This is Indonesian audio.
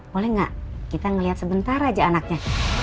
boleh gak kita ngeliat sebentar aja anaknya